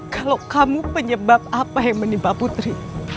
kalau kamu penyebab apa yang menimpa putri